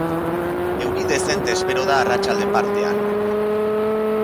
Euri dezente espero da arratsalde partean.